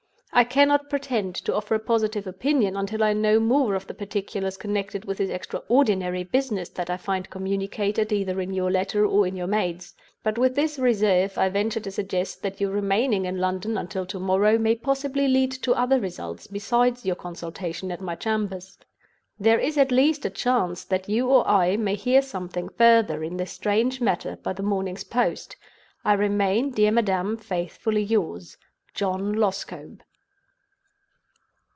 "I cannot pretend to offer a positive opinion until I know more of the particulars connected with this extraordinary business than I find communicated either in your letter or in your maid's. But with this reserve, I venture to suggest that your remaining in London until to morrow may possibly lead to other results besides your consultation at my chambers. There is at least a chance that you or I may hear something further in this strange matter by the morning's post. "I remain, dear Madam, faithfully yours, "JOHN LOSCOMBE."